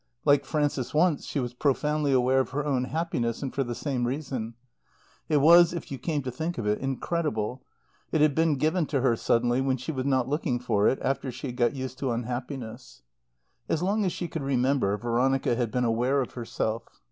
Like Frances once, she was profoundly aware of her own happiness, and for the same reason. It was, if you came to think of it, incredible. It had been given to her, suddenly, when she was not looking for it, after she had got used to unhappiness. As long as she could remember Veronica had been aware of herself.